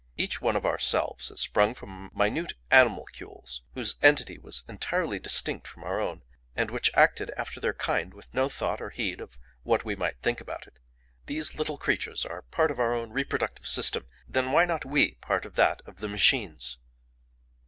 Each one of ourselves has sprung from minute animalcules whose entity was entirely distinct from our own, and which acted after their kind with no thought or heed of what we might think about it. These little creatures are part of our own reproductive system; then why not we part of that of the machines?